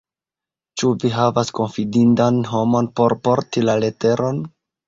Ĉu vi havas konfidindan homon por porti la leteron?